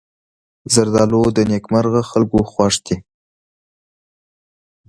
زردالو د نېکمرغه خلکو خوږ دی.